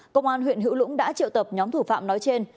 công an huyện hữu lũng đã triệu tập nhóm thủ phạm nói trên